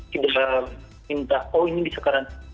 tidak harus minta oh ini bisa karantina